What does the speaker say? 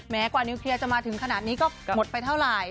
กว่านิวเคลียร์จะมาถึงขนาดนี้ก็หมดไปเท่าไหร่